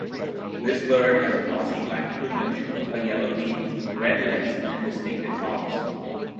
This bird has glossy black plumage, a yellow beak, red legs, and distinctive calls.